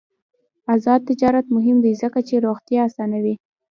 آزاد تجارت مهم دی ځکه چې روغتیا اسانوي.